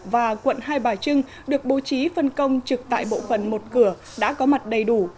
và quận hai bà trưng được bố trí phân công trực tại bộ phận một cửa đã có mặt đầy đủ